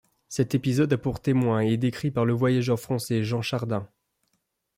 Cet épisode à pour témoin et est décrit par le voyageur français Jean Chardin.